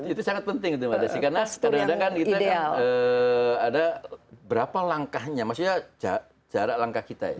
itu sangat penting itu mbak desi karena kadang kadang kan kita kan ada berapa langkahnya maksudnya jarak langkah kita ya